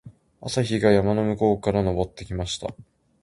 朝日が山の向こうから昇ってきました。